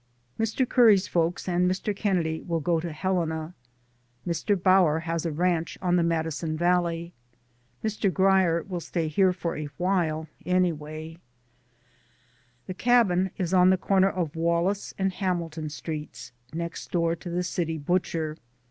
Mr. Curry's folks and Mr. Kennedy's will go to Helena. Mr. Bower has a ranch on the Madison Valley. Mr. Grier will stay here for a time, anyway. liMM The cabin is on the corner of Wallace and Hamilton Streets, next door to the city butcher.